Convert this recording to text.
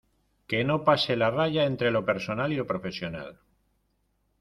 que no pase la raya entre lo personal y lo profesional.